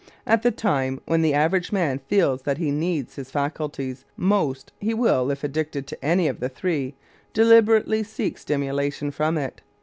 At the time when the average man feels that he needs his faculties most, he will, if addicted to any of the three, deliberately seek stimulation from it.